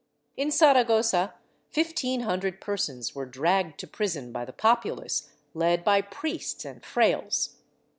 In Saragossa fifteen hundred persons were dragged to prison by the populace led by priests and frailes.